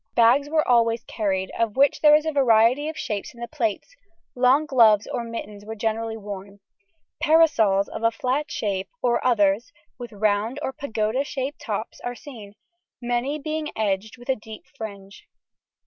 Bags were always carried, of which there is a variety of shapes in the plates; long gloves or mittens were generally worn. Parasols of a flat shape, or others with round or pagoda shaped tops are seen, many being edged with a deep fringe.